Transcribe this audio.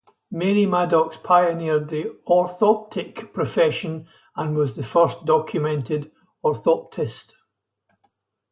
Mary Maddox pioneered the orthoptic profession and was the first documented orthoptist.